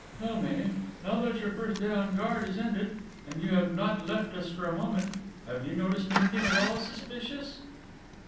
"Tell me, now that your first day on guard is ended, and you have not left us for a moment have you noticed anything at all suspicious?"